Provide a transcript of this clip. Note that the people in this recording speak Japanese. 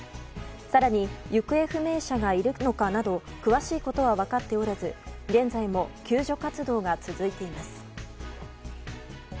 更に、行方不明者がいるのかなど詳しいことは分かっておらず現在も救助活動が続いています。